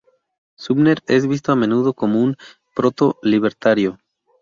Sumner es visto a menudo como un proto-libertario.